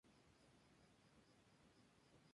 La portada fue diseñada por Leonard Cohen.